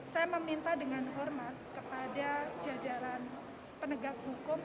saya meminta dengan hormat kepada jajaran penegak hukum